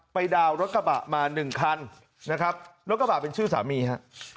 ดาวน์รถกระบะมาหนึ่งคันนะครับรถกระบะเป็นชื่อสามีฮะ